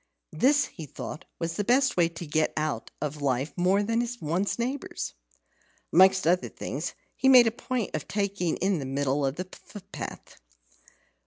This, he thought, was the way to get more out of life than one's neighbours. Amongst other things, he made a point of taking the middle of the footpath.